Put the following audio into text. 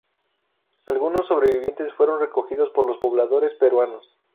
Algunos sobrevivientes fueron recogidos por los pobladores peruanos.